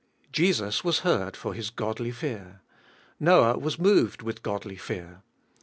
Jesus was heard for His godly fear. Noah was moved with godly fear.